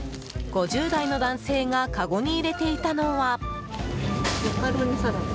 ５０代の男性がかごに入れていたのは。